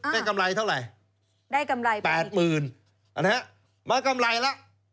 ได้กำไรเท่าไรได้กำไรแปดหมื่นอันเนี้ยมากำไรละ